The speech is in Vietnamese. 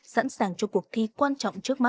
sẵn sàng cho cuộc thi quan trọng trước mắt